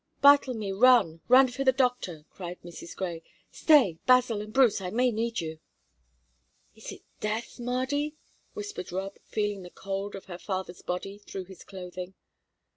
"Bartlemy, run, run for the doctor!" cried Mrs. Grey. "Stay, Basil and Bruce I may need you." "Is it death, Mardy?" whispered Rob, feeling the cold of her father's body through his clothing.